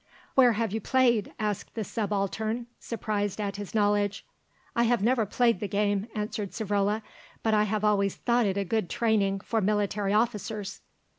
"Where have you played?" asked the Subaltern, surprised at his knowledge. "I have never played the game," answered Savrola; "but I have always thought it a good training for military officers."